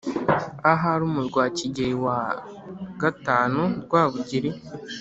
ahari umurwa wa kigeri wa iv rwabugili)